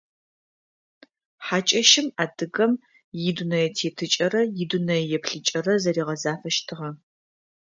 Хьакӏэщым адыгэм идунэететыкӏэрэ идунэееплъыкӏэрэ зэригъэзафэщтыгъэ.